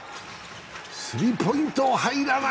スリーポイント入らない。